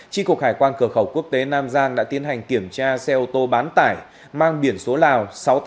tri cục hải quan cửa khẩu quốc tế nam giang đã tiến hành kiểm tra xe ô tô bán tải mang biển số lào sáu nghìn tám trăm tám mươi tám